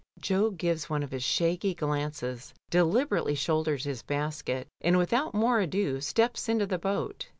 Jo gives one of his shaggy glances, deliberately shoulders his basket, and without more ado steps into the boat.